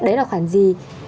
đấy là khoản gì